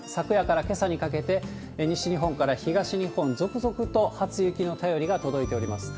昨夜からけさにかけて、西日本から東日本、続々と初雪の便りが届いております。